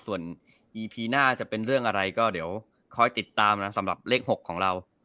ส่วนอีพีหน้าจะเป็นเรื่องอะไรก็เดี๋ยวคอยติดตามนะสำหรับเลข๖ของเรา